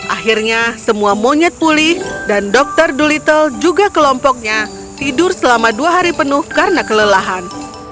akhirnya semua monyet pulih dan dokter dolittle juga kelompoknya tidur selama dua hari penuh karena kelelahan